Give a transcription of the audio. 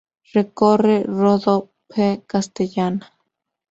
Recorre rodo p° castellana